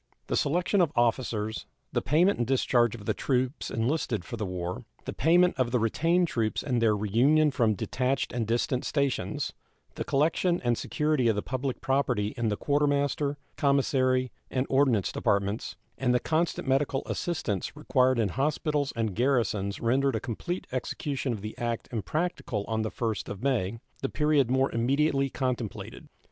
The selection of officers, the payment and discharge of the troops enlisted for the war, the payment of the retained troops and their reunion from detached and distant stations, the collection and security of the public property in the Quartermaster, Commissary, and Ordnance departments, and the constant medical assistance required in hospitals and garrisons rendered a complete execution of the act impracticable on the 1st of May, the period more immediately contemplated.